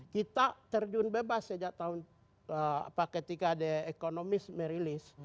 kita terjun bebas sejak tahun ketika the economist merilis